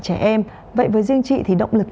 trẻ em vậy với riêng chị thì động lực